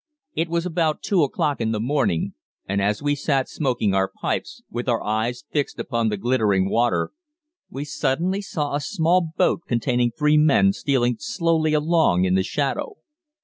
It was about two o'clock in the morning, and as we sat smoking our pipes, with our eyes fixed upon the glittering water, we suddenly saw a small boat containing three men stealing slowly along in the shadow.